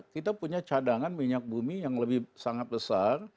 kita punya cadangan minyak bumi yang sangat besar